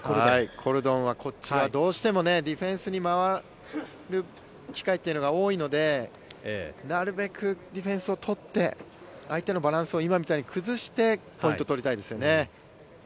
コルドンはこっちはどうしてもディフェンスに回る機会というのが多いのでなるべくディフェンスを取って相手のバランスを今みたいに崩してポイントを取りたいですよね。